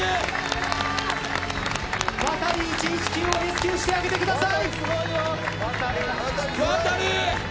ワタリ１１９をレスキューしてあげてください。